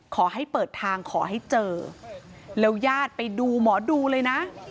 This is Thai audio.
ขอให้เปิดทางขอให้เจอแล้วญาติไปดูหมอดูเลยนะ